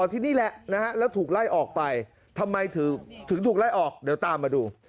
ที่นี่แหละนะฮะแล้วถูกไล่ออกไปทำไมถึงถูกไล่ออกเดี๋ยวตามมาดู